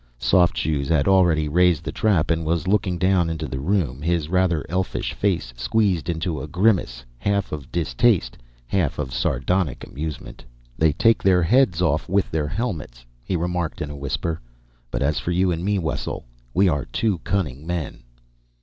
Soft Shoes had already raised the trap and was looking down into the room, his rather elfish face squeezed into a grimace, half of distaste, half of sardonic amusement. "They take off their heads with their helmets," he remarked in a whisper, "but as for you and me, Wessel, we are two cunning men."